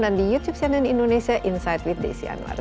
dan di youtube cnn indonesia insight with desi anwar